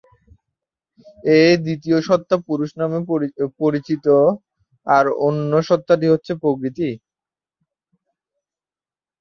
এই দ্বিতীয় সত্তা পুরুষ নামে পরচিত, আর অন্য সত্তাটি হচ্ছে প্রকৃতি।